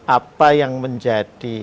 apa yang menjadi